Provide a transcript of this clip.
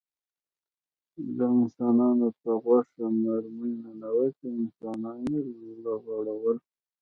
د انسانانو په غوښه مرمۍ ننوتې او انسانان یې لغړول